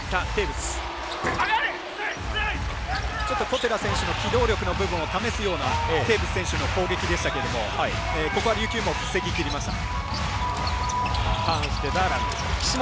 小寺選手の機動力の部分を試すようなテーブス選手の攻撃でしたけれどもここは琉球も防ぎきりました。